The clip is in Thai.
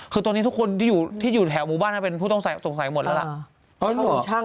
คือตอนนี้ทุกคนที่อยู่ที่อยู่แถวหมู่บ้านเป็นผู้ต้องสงสัยหมดแล้วล่ะ